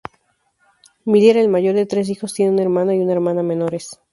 Miller, el mayor de tres hijos, tiene un hermano y una hermana menores.